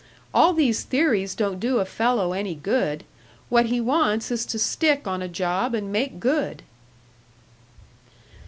All these theories don't do a fellow any good; what he wants is to stick on a job and make good."